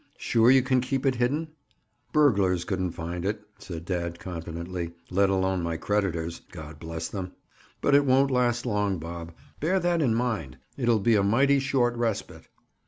"Sure you can keep it hidden?" "Burglars couldn't find it," said dad confidently, "let alone my creditors—God bless them! But it won't last long, Bob. Bear that in mind. It'll be a mighty short respite."